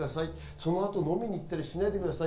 そのあと飲みに行ったりしないでください。